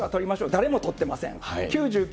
誰も取ってません。